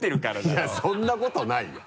いやそんなことないよ。